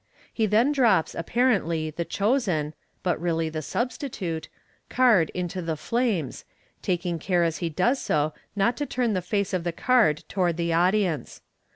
He then drops apparently the chosen, but Figs. 192, 193, 194. j6o MODERN MA GIC really the substitute, card into the flames, taking care as he does so not to turn the face of the card toward the audience.